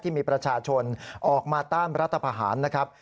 ที่มีประชาชนออกมาต้านรัฐพาหารนะครับ